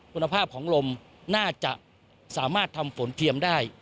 คุณภาพของลมน่าจะสามารถทำฝนเทียมได้